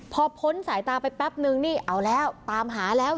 พอพ้นสายตาไปแป๊บนึงนี่เอาแล้วตามหาแล้ว